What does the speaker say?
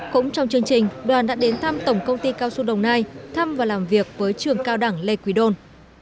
cũng trong chương trình đoàn đã đến thăm tổng công ty cao xu đồng nai thăm và làm việc với trường cao đẳng lê quỳ đôn